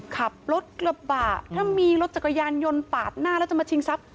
ขับรถกระบะถ้ามีรถจักรยานยนต์ปาดหน้าแล้วจะมาชิงทรัพย